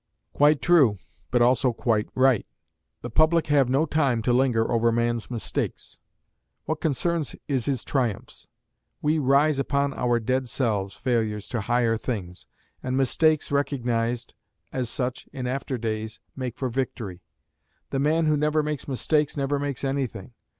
Quite true, but also quite right. The public have no time to linger over a man's mistakes. What concerns is his triumphs. We "rise upon our dead selves (failures) to higher things," and mistakes, recognised as such in after days, make for victory. The man who never makes mistakes never makes anything.